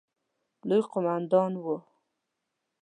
لوی قوماندان وو.